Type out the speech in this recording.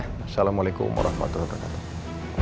assalamualaikum warahmatullahi wabarakatuh